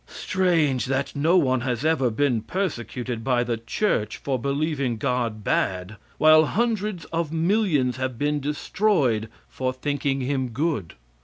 Strange that no one has ever been persecuted by the Church for believing God bad, while hundreds of millions have been destroyed for thinking him good.